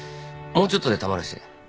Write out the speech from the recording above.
もうちょっとでたまるし。